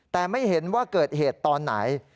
แต่ไม่เห็นว่าเกิดเหตุตอนไหน